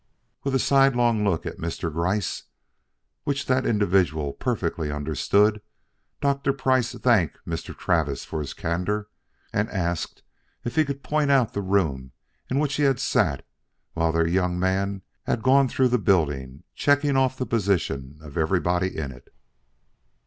With a sidelong look at Mr. Gryce, which that individual perfectly understood, Dr. Price thanked Mr. Travis for his candor and asked if he could point out the room in which he had sat while their young man had gone through the building checking off the position of everybody in it.